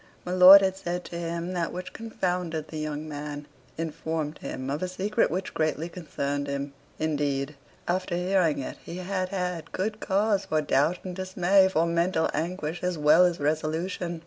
My lord had said to him that which confounded the young man informed him of a secret which greatly concerned him. Indeed, after hearing it, he had had good cause for doubt and dismay; for mental anguish as well as resolution.